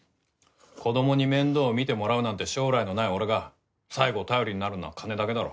子どもに面倒見てもらうなんて将来のない俺が最後頼りになるのは金だけだろ。